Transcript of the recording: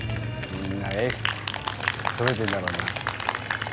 みんなエースそろえてるんだろうな。